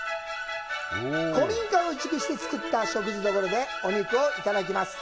古民家を移築して作った食事処でお肉をいただきます。